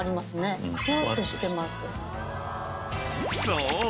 ［そう。